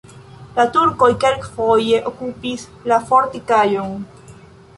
La turkoj kelkfoje okupis la fortikaĵon.